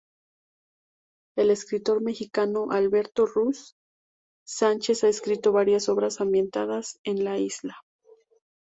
El escritor mexicano Alberto Ruy Sánchez ha escrito varias obras ambientadas en la isla.